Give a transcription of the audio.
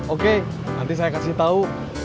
oke nanti saya kasih tahu